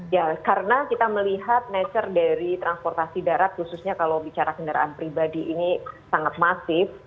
ya karena kita melihat nature dari transportasi darat khususnya kalau bicara kendaraan pribadi ini sangat masif